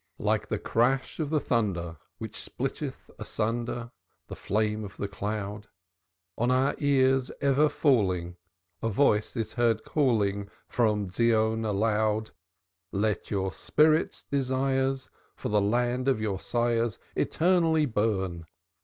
"Like the crash of the thunder Which splitteth asunder The flame of the cloud, On our ears ever falling, A voice is heard calling From Zion aloud: 'Let your spirits' desires For the land of your sires Eternally burn.